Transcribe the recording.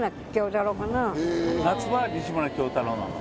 夏場は西村京太郎なの？